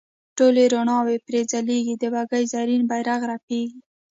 ټولې روڼاوې پرې ځلیږي د بګۍ زرین بیرغ رپیږي.